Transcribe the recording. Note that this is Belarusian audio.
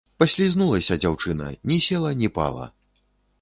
Паслізнулася дзяўчына, ні села, ні пала.